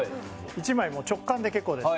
１枚直感で結構です。